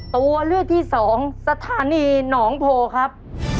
ตัวเลือกที่สองสถานีหนองโพครับ